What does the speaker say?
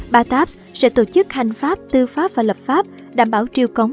bataps sẽ tổ chức hành pháp tư pháp và lập pháp đảm bảo triều cống